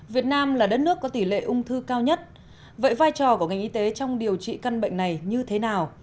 việt nam là đất nước có tỷ lệ ung thư cao nhất vậy vai trò của ngành y tế trong điều trị căn bệnh này như thế nào